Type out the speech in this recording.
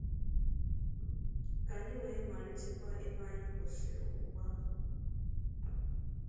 ka anyị wee malitekwa ebe anyị kwụsịrị ugba